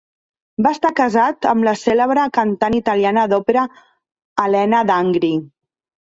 Va estar casat amb la cèlebre cantant italiana d'òpera Elena d'Angri.